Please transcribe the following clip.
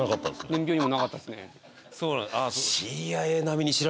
年表にもなかったっすね